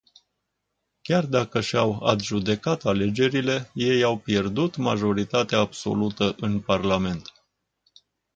Chiar dacă și-au adjudecat alegerile, ei au pierdut majoritatea absolută în Parlament.